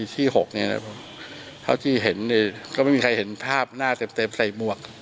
เท่าที่เห็นก็ไม่มีใครเห็นภาพหน้าเต็มใส่หมวก